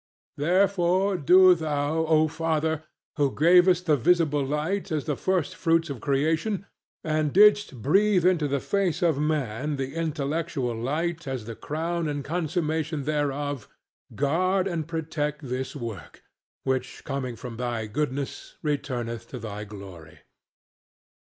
Therefore do thou, O Father, who gavest the visible light as the first fruits of creation, and didst breathe into the face of man the intellectual light as the crown and consummation thereof, guard and protect this work, which coming from thy goodness returneth to thy glory.